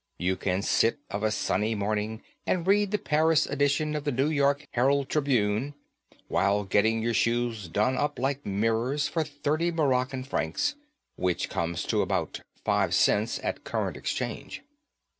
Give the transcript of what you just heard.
You can sit of a sunny morning and read the Paris edition of the New York Herald Tribune while getting your shoes done up like mirrors for thirty Moroccan francs which comes to about five cents at current exchange.